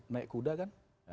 naik kuda kan